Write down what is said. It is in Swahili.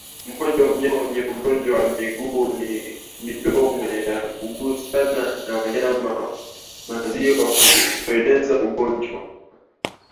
Mkojo wa wanyama wenye ugonjwa wa miguu na midomo yakigusana na wanyama wazima hueneza ugonjwa